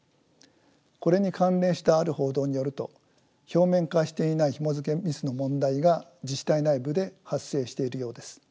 これに関連したある報道によると表面化していないひもづけミスの問題が自治体内部で発生しているようです。